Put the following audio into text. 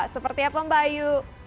seperti apa mbak ayu